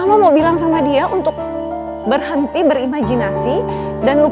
dan ancaman penyerangan